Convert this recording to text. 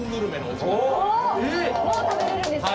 もう食べれるんですか？